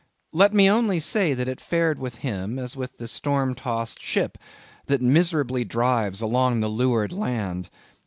Let me only say that it fared with him as with the storm tossed ship, that miserably drives along the leeward land.